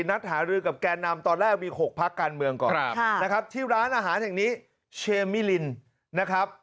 นัดหารือกับแกนนำตอนแรกมี๖พักการเมืองก่อนนะครับที่ร้านอาหารแห่งนี้เชมิลินนะครับ